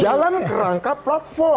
di dalam rangka platform